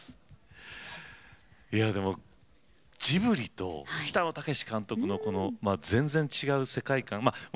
ジブリと北野武監督の全然違う世界観